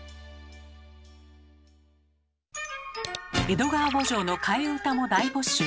「江戸川慕情」の替え歌も大募集。